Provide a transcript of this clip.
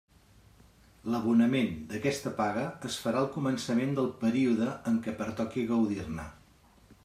L'abonament d'aquesta paga es farà al començament del període en què pertoqui gaudir-ne.